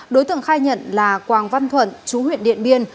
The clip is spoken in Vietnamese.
đối tượng khai nhận là quang văn thuận chú huyện điện biên